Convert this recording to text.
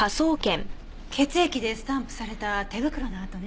血液でスタンプされた手袋の跡ね。